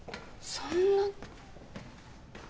そんな。